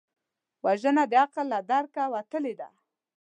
وژنه د عقل له درکه وتلې ده